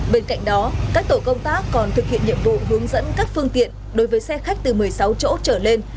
bên cạnh đó các tổ công tác còn thực hiện nhiệm vụ hướng dẫn các phương tiện đối với xe khách từ một mươi sáu chỗ trở lên